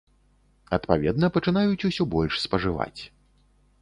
Адпаведна пачынаюць усё больш спажываць.